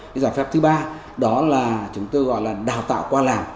cái giải pháp thứ ba đó là chúng tôi gọi là đào tạo qua làm